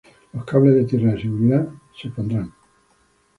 Los cables de tierra de seguridad serán puesto.